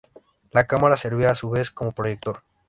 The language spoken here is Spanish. La cámara servía a su vez como proyector.